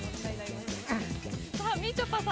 みちょぱさん